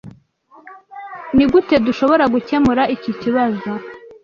Nigute dushobora gukemura iki kibazo?